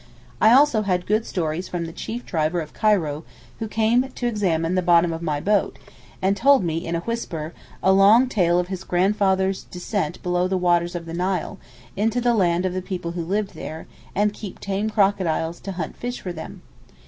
I also had good stories from the chief diver of Cairo, who came to examine the bottom of my boat, and told me, in a whisper, a long tale of his grandfather's descent below the waters of the Nile, into the land of the people who lived there, and keep tame crocodiles to hunt fish for them.